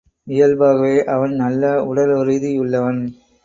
இயல்பாகவே அவன் நல்ல உடலுறுதியுள்ளவன்.